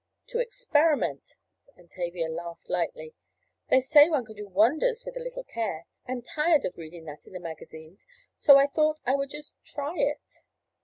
"To experiment," and Tavia laughed lightly. "They say one can do wonders with a little care. I am tired of reading that in the magazines so I thought I would just try it."